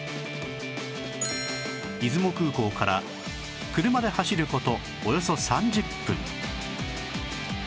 出雲空港から車で走る事およそ３０分